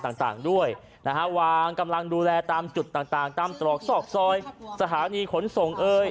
ต่างต่างด้วยนะฮะวางกำลังดูแลตามจุดต่างต่างตามตรอกซอกซอยสถานีขนส่งเอ่ย